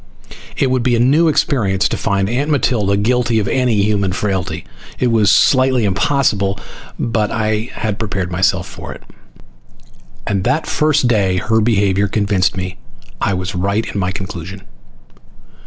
It would be a new experience, to find Aunt Matilda guilty of any human frailty. It was slightly impossible, but I had prepared myself for it. And that first day her behavior convinced me I was right in my conclusion.